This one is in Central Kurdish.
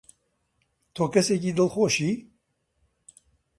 تۆ کەسێکی دڵخۆشی؟